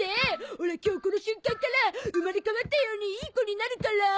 オラ今日この瞬間から生まれ変わったようにいい子になるから！